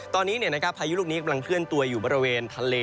ตอนนี้พายุลูกนี้กำลังเคลื่อนตัวอยู่บริเวณทะเล